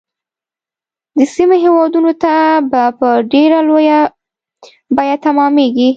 د سیمې هیوادونو ته به په ډیره لویه بیعه تمامیږي.